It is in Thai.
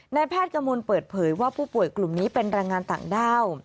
แพทย์กระมวลเปิดเผยว่าผู้ป่วยกลุ่มนี้เป็นแรงงานต่างด้าว